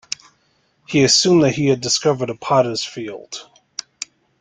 He assumed that he had discovered a potter's field.